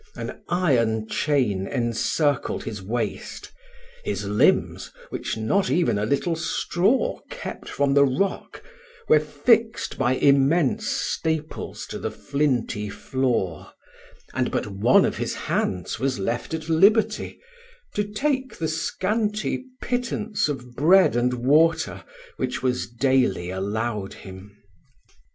An iron chain encircled his waist; his limbs, which not even a little straw kept from the rock, were fixed by immense staples to the flinty floor; and but one of his hands was left at liberty, to take the scanty pittance of bread and water which was daily allowed him.